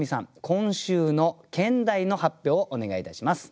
今週の兼題の発表をお願いいたします。